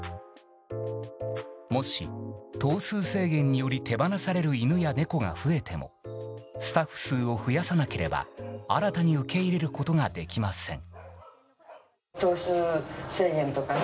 もし、頭数制限により手放される犬や猫が増えてもスタッフ数を増やさなければ新たに受け入れることができません。